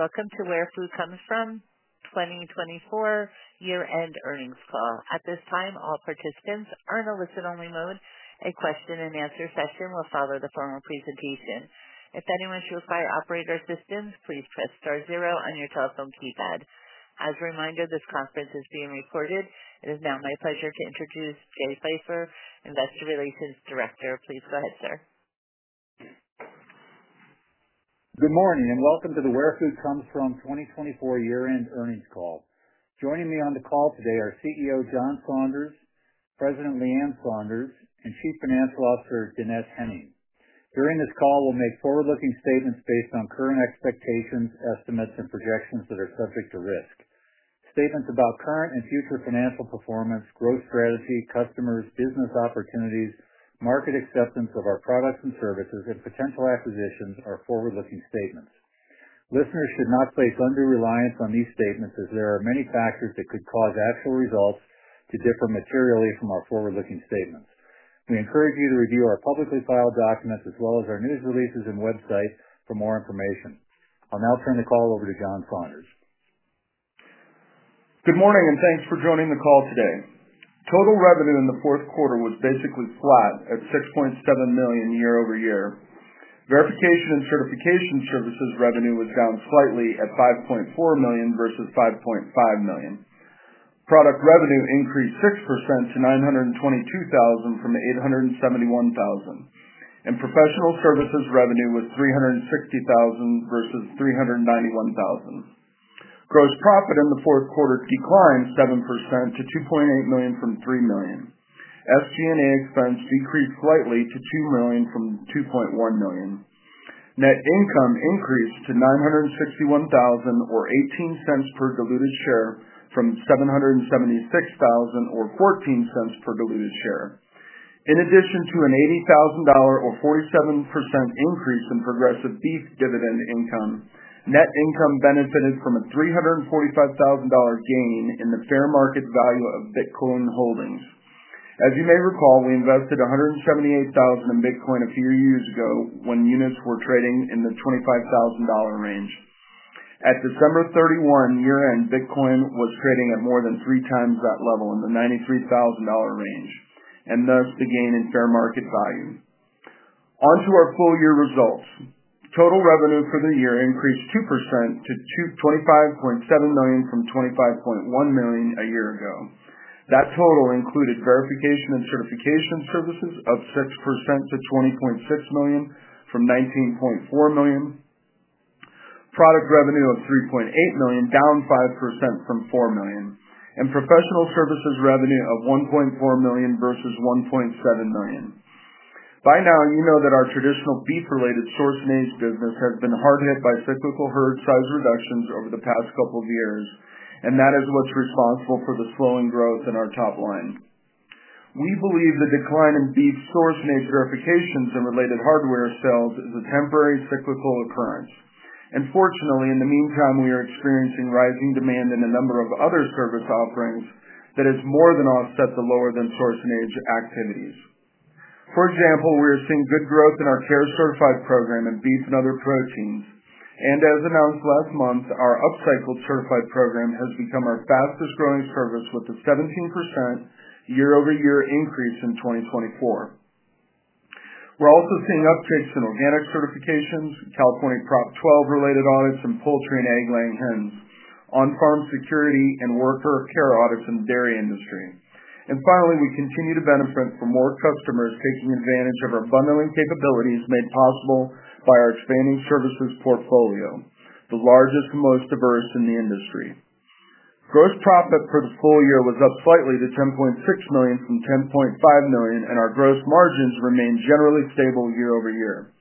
Welcome to Where Food Comes From, 2024 year-end earnings call. At this time, all participants are in a listen-only mode. A question-and-answer session will follow the formal presentation. If anyone should require operator assistance, please press star zero on your telephone keypad. As a reminder, this conference is being recorded. It is now my pleasure to introduce Jay Pfeiffer, Investor Relations Director. Please go ahead, sir. Good morning and welcome to the Where Food Comes From 2024 year-end earnings call. Joining me on the call today are CEO John Saunders, President Leann Saunders, and Chief Financial Officer Dannette Henning. During this call, we'll make forward-looking statements based on current expectations, estimates, and projections that are subject to risk. Statements about current and future financial performance, growth strategy, customers, business opportunities, market acceptance of our products and services, and potential acquisitions are forward-looking statements. Listeners should not place undue reliance on these statements as there are many factors that could cause actual results to differ materially from our forward-looking statements. We encourage you to review our publicly filed documents as well as our news releases and website for more information. I'll now turn the call over to John Saunders. Good morning and thanks for joining the call today. Total revenue in the fourth quarter was basically flat at $6.7 million year-over-year. Verification and certification services revenue was down slightly at $5.4 million versus $5.5 million. Product revenue increased 6% to $922,000 from $871,000. professional services revenue was $360,000 versus $391,000. Gross profit in the fourth quarter declined 7% to $2.8 million from $3 million. SG&A expense decreased slightly to $2 million from $2.1 million. Net income increased to $961,000 or $0.18 per diluted share from $776,000 or $0.14 per diluted share. In addition to an $80,000 or 47% increase in Progressive Beef dividend income, net income benefited from a $345,000 gain in the fair market value of Bitcoin holdings. As you may recall, we invested $178,000 in Bitcoin a few years ago when units were trading in the $25,000 range. At December 31, year-end, Bitcoin was trading at more than 3x that level in the $93,000 range and thus the gain in fair market value. Onto our full year results. Total revenue for the year increased 2% to $25.7 million from $25.1 million a year ago. That total included verification and certification services up 6% to $20.6 million from $19.4 million. Product revenue of $3.8 million down 5% from $4 million. And professional services revenue of $1.4 million versus $1.7 million. By now, you know that our traditional beef-related Source & Age business has been hard hit by cyclical herd size reductions over the past couple of years, and that is what's responsible for the slowing growth in our top line. We believe the decline in beef Source & Age verifications and related hardware sales is a temporary cyclical occurrence. Fortunately, in the meantime, we are experiencing rising demand in a number of other service offerings that has more than offset the lower than Source & Age activities. For example, we are seeing good growth in our CARE Certified program in beef and other proteins. As announced last month, our Upcycled Certified program has become our fastest growing service with a 17% year-over-year increase in 2024. We are also seeing upticks in organic certifications, California Prop 12 related audits, and poultry and egg-laying hens, on-farm security and worker care audits in the dairy industry. Finally, we continue to benefit from more customers taking advantage of our bundling capabilities made possible by our expanding services portfolio, the largest and most diverse in the industry. Gross profit for the full year was up slightly to $10.6 million from $10.5 million, and our gross margins remained generally stable year-over-year.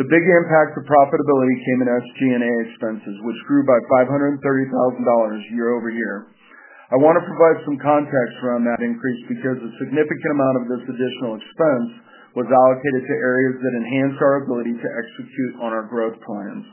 The big impact of profitability came in SG&A expenses, which grew by $530,000 year-over-year. I want to provide some context around that increase because a significant amount of this additional expense was allocated to areas that enhanced our ability to execute on our growth plans.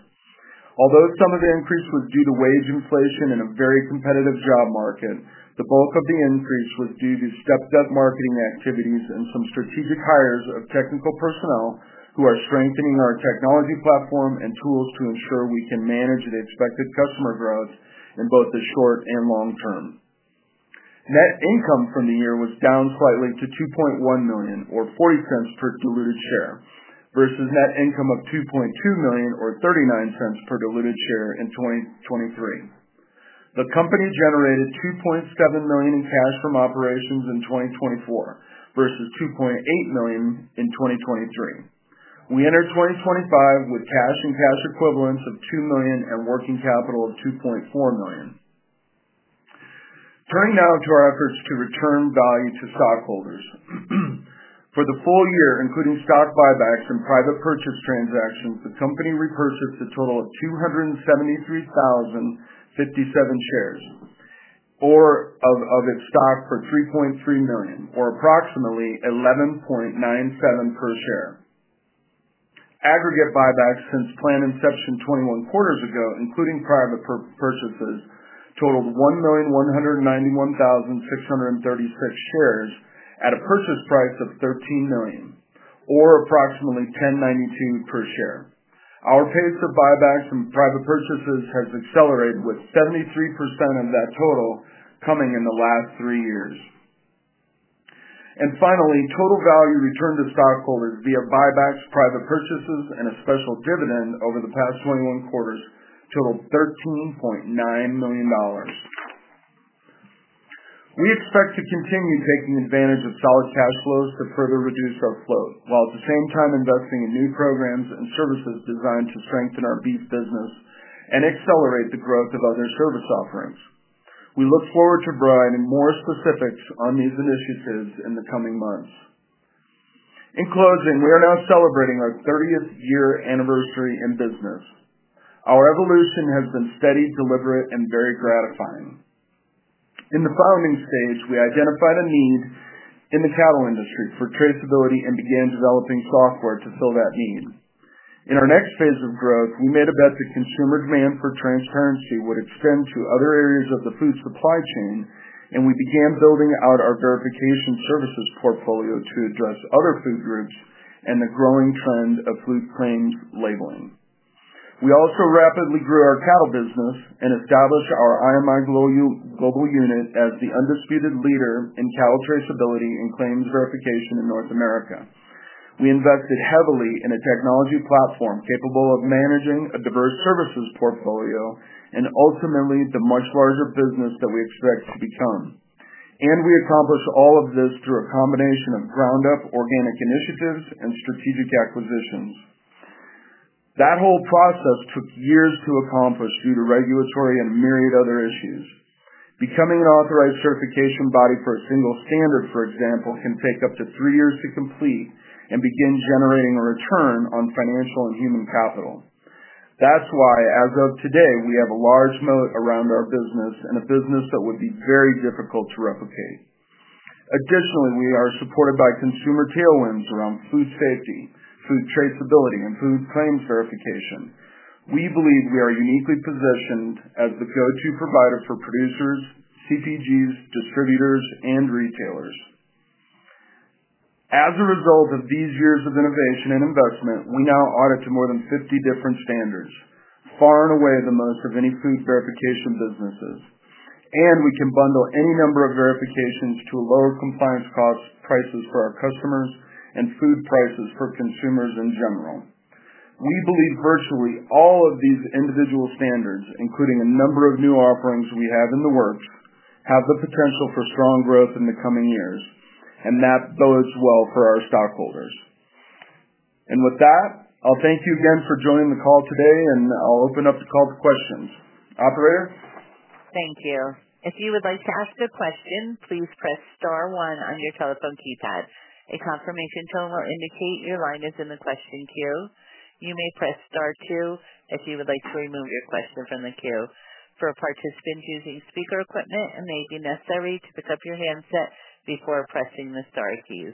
Although some of the increase was due to wage inflation in a very competitive job market, the bulk of the increase was due to step-up marketing activities and some strategic hires of technical personnel who are strengthening our technology platform and tools to ensure we can manage the expected customer growth in both the short and long term. Net income from the year was down slightly to $2.1 million or $0.40 per diluted share versus net income of $2.2 million or $0.39 per diluted share in 2023. The company generated $2.7 million in cash from operations in 2024 versus $2.8 million in 2023. We entered 2025 with cash and cash equivalents of $2 million and working capital of $2.4 million. Turning now to our efforts to return value to stockholders. For the full year, including stock buybacks and private purchase transactions, the company repurchased a total of 273,057 shares of its stock for $3.3 million, or approximately $11.97 per share. Aggregate buybacks since planned inception 21 quarters ago, including private purchases, totaled 1,191,636 shares at a purchase price of $13 million, or approximately $10.92 per share. Our pace of buybacks and private purchases has accelerated with 73% of that total coming in the last three years. Finally, total value returned to stockholders via buybacks, private purchases, and a special dividend over the past 21 quarters totaled $13.9 million. We expect to continue taking advantage of solid cash flows to further reduce our float while at the same time investing in new programs and services designed to strengthen our beef business and accelerate the growth of other service offerings. We look forward to providing more specifics on these initiatives in the coming months. In closing, we are now celebrating our 30th year anniversary in business. Our evolution has been steady, deliberate, and very gratifying. In the founding stage, we identified a need in the cattle industry for traceability and began developing software to fill that need. In our next phase of growth, we made a bet that consumer demand for transparency would extend to other areas of the food supply chain, and we began building out our verification services portfolio to address other food groups and the growing trend of food claims labeling. We also rapidly grew our cattle business and established our IMI Global unit as the undisputed leader in cattle traceability and claims verification in North America. We invested heavily in a technology platform capable of managing a diverse services portfolio and ultimately the much larger business that we expect to become. We accomplished all of this through a combination of ground-up organic initiatives and strategic acquisitions. That whole process took years to accomplish due to regulatory and myriad other issues. Becoming an authorized certification body for a single standard, for example, can take up to three years to complete and begin generating a return on financial and human capital. That's why, as of today, we have a large moat around our business and a business that would be very difficult to replicate. Additionally, we are supported by consumer tailwinds around food safety, food traceability, and food claims verification. We believe we are uniquely positioned as the go-to provider for producers, CPGs, distributors, and retailers. As a result of these years of innovation and investment, we now audit to more than 50 different standards, far and away the most of any food verification businesses. We can bundle any number of verifications to lower compliance cost prices for our customers and food prices for consumers in general. We believe virtually all of these individual standards, including a number of new offerings we have in the works, have the potential for strong growth in the coming years, and that bodes well for our stockholders. With that, I'll thank you again for joining the call today, and I'll open up the call to questions. Operator? Thank you. If you would like to ask a question, please press star one on your telephone keypad. A confirmation tone will indicate your line is in the question queue. You may press star two if you would like to remove your question from the queue. For participants using speaker equipment, it may be necessary to pick up your handset before pressing the star keys.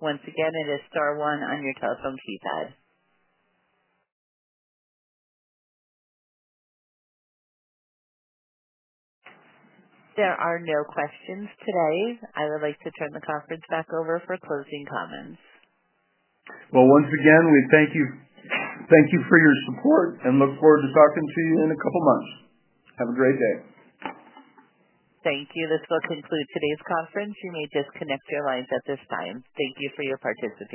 Once again, it is star one on your telephone keypad. There are no questions today. I would like to turn the conference back over for closing comments. Once again, we thank you for your support and look forward to talking to you in a couple of months. Have a great day. Thank you. This will conclude today's conference. You may disconnect your lines at this time. Thank you for your participation.